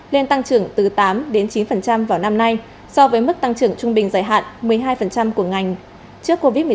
lên tăng trưởng từ tám đến chín vào năm nay so với mức tăng trưởng trung bình dài hạn một mươi hai của ngành trước covid một mươi chín